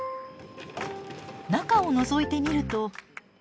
中をのぞいてみると。